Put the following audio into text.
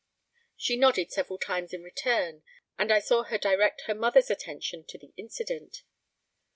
She nodded several times in return, and I saw her direct her mother's attention to the incident.